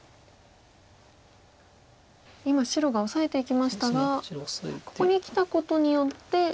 今白がオサえていきましたがここにきたことによって。